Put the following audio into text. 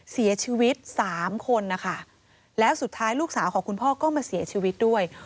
เสียชีวิตสามคนนะคะแล้วสุดท้ายลูกสาวของคุณพ่อก็มาเสียชีวิตด้วย